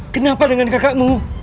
kenapa dengan kakakmu